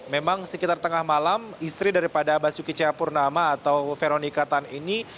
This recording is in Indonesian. memang sekitar tengah malam istri daripada basuki c apurnama atau veronica tan ini